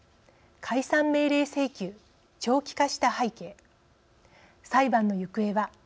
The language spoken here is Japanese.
「解散命令請求長期化した背景」「裁判の行方は」